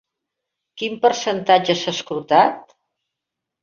Quin percentatge s'ha escrutat?